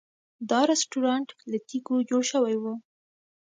دا رسټورانټ له تیږو جوړ شوی و.